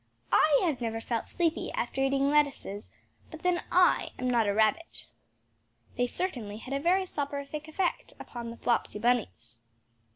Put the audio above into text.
I have never felt sleepy after eating lettuces; but then I am not a rabbit. They certainly had a very soporific effect upon the Flopsy Bunnies!